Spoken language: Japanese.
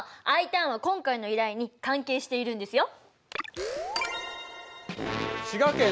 Ｉターンは今回の依頼に関係しているんですよ。